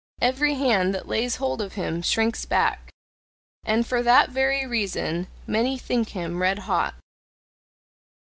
Every hand that lays hold of him shrinks back! And for that very reason many think him red hot.